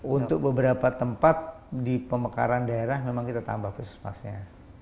untuk beberapa tempat di pemekaran daerah memang kita tambah puskesmasnya